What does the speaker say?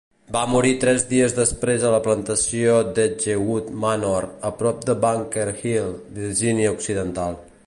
Va morir tres dies després a la plantació d'Edgewood Manor, a prop de Bunker Hill, Virginia Occidental.